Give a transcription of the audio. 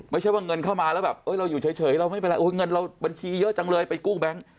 ไม่ใช่ว่าเงินเข้ามาเราอยู่เฉยกู้งแบงค์